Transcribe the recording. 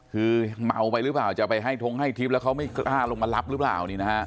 คือเมาไปหรือเปล่าจะไปให้ทงให้ทิพย์แล้วเขาไม่กล้าลงมารับหรือเปล่า